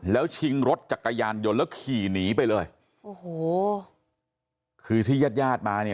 แล้วชิงรถจักรยานยนต์แล้วขี่หนีไปเลยโอ้โหคือที่ญาติญาติมาเนี่ย